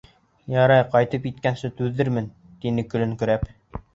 Ярай, ҡайтып еткәнсе түҙермен. — тине, көлөңкөрәп.